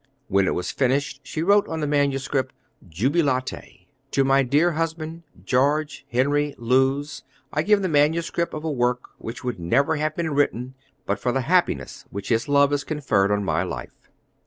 When it was finished, she wrote on the manuscript, Jubilate. "To my dear husband, George Henry Lewes, I give the Ms. of a work which would never have been written but for the happiness which his love has conferred on my life."